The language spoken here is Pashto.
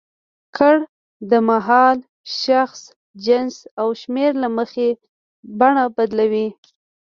کړ د مهال، شخص، جنس او شمېر له مخې بڼه بدلوي.